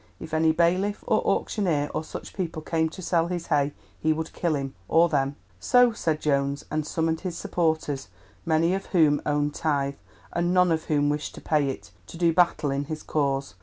If any bailiff, or auctioneer, or such people came to sell his hay he would kill him, or them. So said Jones, and summoned his supporters, many of whom owed tithe, and none of whom wished to pay it, to do battle in his cause.